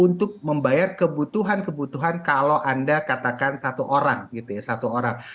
untuk membayar kebutuhan kebutuhan kalau anda katakan satu orang